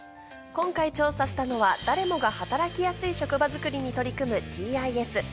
今回調査したのは誰もが働きやすい職場づくりに取り組むＴＩＳ。